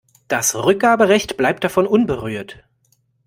Das Rückgaberecht bleibt davon unberührt.